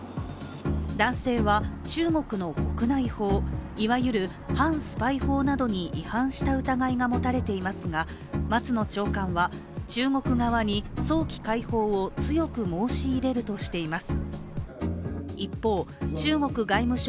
男性は中国の国内法いわゆる反スパイ法などに違反した疑いが持たれていますが松野長官は中国側に早期解放を強く申し入れるとしています。